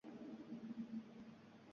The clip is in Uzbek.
Orzularingizga jiddiy qarang